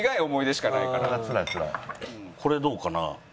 これどうかな？